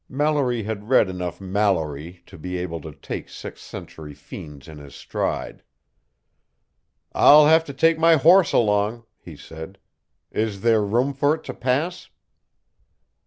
Mallory had read enough Malory to be able to take sixth century fiends in his stride. "I'll have to take my horse along," he said. "Is there room for it to pass?"